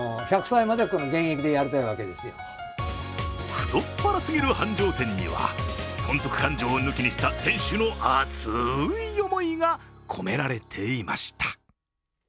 太っ腹すぎる繁盛店には損得勘定を抜きにした店主の熱い思いが込められていました。